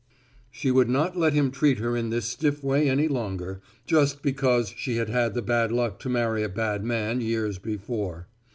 She would not let him treat her in this stiff way any longer, just because she had had the bad luck to marry a bad man years before.